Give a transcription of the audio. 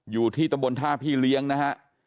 อยู่ที่ตำบลท่าพี่เลี้ยงนะฮะ